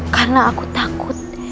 karena aku takut